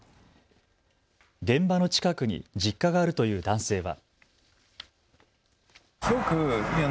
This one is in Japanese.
現場の近くに実家があるという男性は。